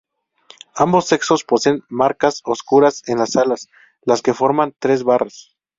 Ambos sexos poseen marcas oscuras en las alas las que forman tres barras.